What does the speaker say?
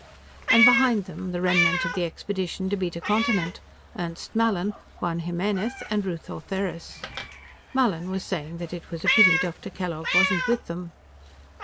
And behind them, the remnant of the expedition to Beta Continent Ernst Mallin, Juan Jimenez and Ruth Ortheris. Mallin was saying that it was a pity Dr. Kellogg wasn't with them.